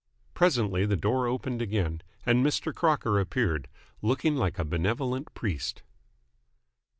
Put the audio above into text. Presently the door opened again, and Mr. Crocker appeared, looking like a benevolent priest.